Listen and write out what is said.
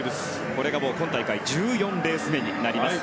これが今大会１４レース目になります。